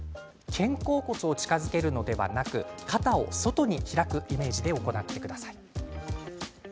肩甲骨を近づけるのではなく肩を外に開くイメージで行ってください。